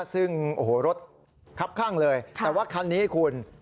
ซึ่งโอ้โหรถคับข้างเลยแต่ว่าคันนี้คุณ